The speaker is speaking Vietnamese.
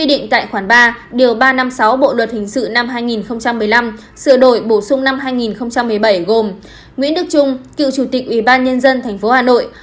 điều ba trăm năm mươi sáu bộ luật hình sự năm hai nghìn một mươi năm sửa đổi bổ sung năm hai nghìn một mươi bảy gồm nguyễn đức trung cựu chủ tịch ủy ban nhân dân tp hà nội